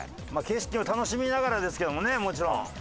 景色も楽しみながらですけどもねもちろん。